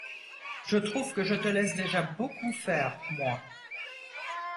Je trouve que je te laisse déjà beaucoup faire, moi.